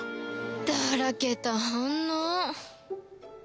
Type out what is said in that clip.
だらけた反応